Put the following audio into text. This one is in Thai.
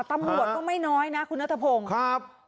ตำรวจก็ไม่น้อยนะคุณนัทพงศ์ครับ